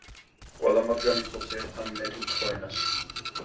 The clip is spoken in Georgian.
ყველა მათგანი ფლობს ერთ ან მეტ უცხო ენას.